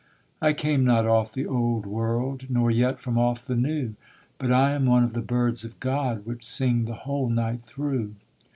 'I came not off the old world Nor yet from off the new But I am one of the birds of God Which sing the whole night through.'